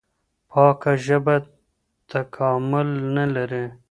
پاکه ژبه تکامل نه لري.